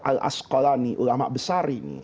al asqolani ulama besari